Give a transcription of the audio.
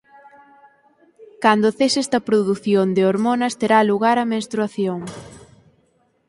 Cando cese esta produción de hormonas terá lugar a menstruación.